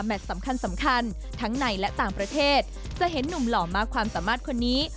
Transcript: สำคัญสำคัญทั้งในและต่างประเทศจะเห็นหนุ่มหล่อมากความสามารถคนนี้